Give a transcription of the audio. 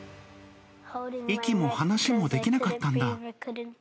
息も話もできなかったんだ。